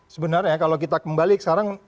sebenarnya kalau kita kembali sekarang